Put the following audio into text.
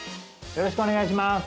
よろしくお願いします